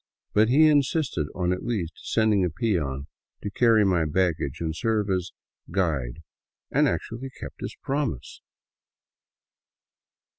But he insisted on at least sending a peon to carry my baggage and to serve as " guide," and actually kept his promise